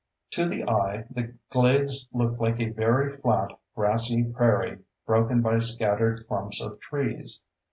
To the eye, the glades look like a very flat, grassy prairie broken by scattered clumps of trees.